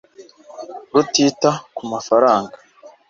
rutita ku mafaranga